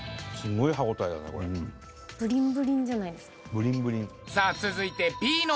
ブリンブリン。